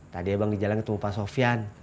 tadi abang di jalan ketemu pak sofian